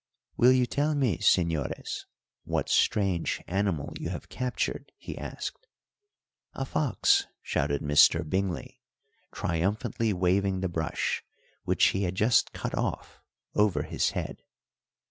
"Will you tell me, señores, what strange animal you have captured?" he asked. "A fox," shouted Mr. Bingley, triumphantly waving the brush, which he had just cut off, over his head.